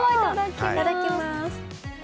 いただきます。